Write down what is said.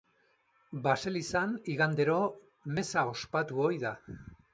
Baselizan igandero meza ospatu ohi da.